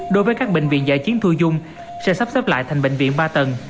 đối với các bệnh viện giải chiến thu dung sẽ sắp xếp lại thành bệnh viện ba tầng